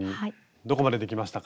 どこまでできましたか？